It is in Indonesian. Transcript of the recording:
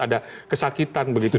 ada kesakitan begitu